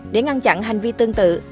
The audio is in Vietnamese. để ngăn chặn hành vi tương tự